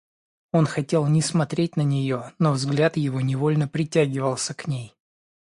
Он хотел не смотреть на нее, но взгляд его невольно притягивался к ней.